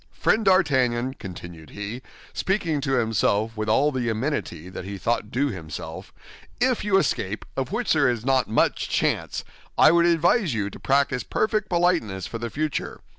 Friend D'Artagnan," continued he, speaking to himself with all the amenity that he thought due himself, "if you escape, of which there is not much chance, I would advise you to practice perfect politeness for the future.